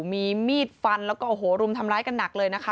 มีมีดฟันแล้วก็โอ้โหรุมทำร้ายกันหนักเลยนะคะ